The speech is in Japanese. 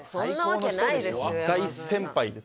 大先輩です。